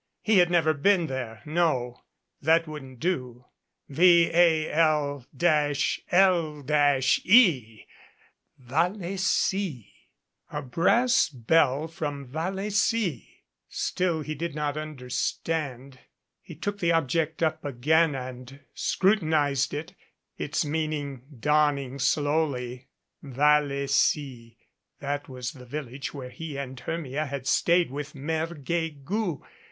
He had never been there. No. That wouldn't do. VAL L E Vallecy ! A brass bell from Vallecy! Still he did not under 324 THE BRASS BELL stand. He took the object up again and scrutinized it, its meaning dawning slowly. Vallecy ! That was the vil lage where he and Hermia had stayed with Mere Guegou.